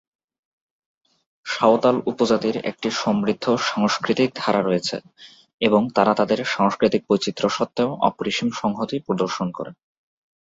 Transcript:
সাঁওতাল উপজাতির একটি সমৃদ্ধ সাংস্কৃতিক ধারা রয়েছে এবং তারা তাদের সাংস্কৃতিক বৈচিত্র্য সত্ত্বেও অপরিসীম সংহতি প্রদর্শন করে।